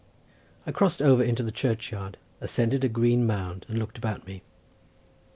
I crossed over into the churchyard, ascended a green mound, and looked about me.